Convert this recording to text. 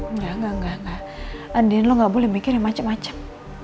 enggak enggak enggak andien lo gak boleh mikir yang macem macem